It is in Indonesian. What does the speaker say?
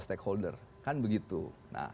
stakeholder kan begitu nah